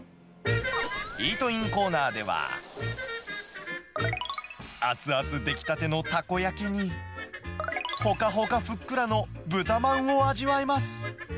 イートインコーナーでは、熱々出来たてのたこ焼きに、ほかほかふっくらの豚まんを味わえます。